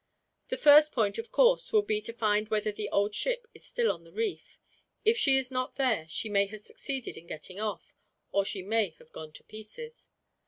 "The first point, of course, will be to find whether the old ship is still on the reef. If she is not there she may have succeeded in getting off, or she may have gone to pieces.